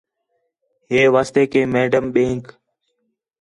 ہے واسطے کہ میڈم ٻئینک